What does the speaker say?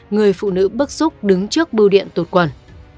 người phụ nữ bức xúc đứng trước bưu điện tụt quần